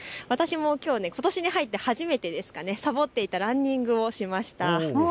私もきょう、ことしに入って初めてさぼっていたランニングをしました。